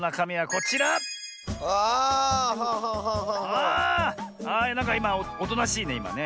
ああなんかいまおとなしいねいまね。